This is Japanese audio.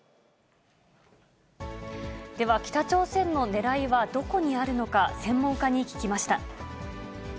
では、北朝鮮のねらいはどこにあるのか、専門家に聞きました。